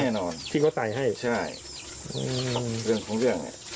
แน่นอนว่าเรื่องแบบนี้